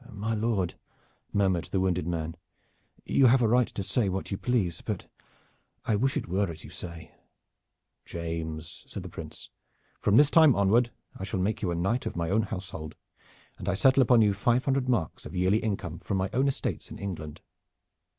"My Lord," murmured the wounded man, "you have a right to say what you please; but I wish it were as you say." "James," said the Prince, "from this time onward I make you a knight of my own household, and I settle upon you five hundred marks of yearly income from my own estates in England."